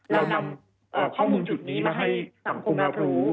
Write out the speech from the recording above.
เรานำข้อมูลจุดนี้มาให้สังคมรับรู้